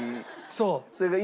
そう。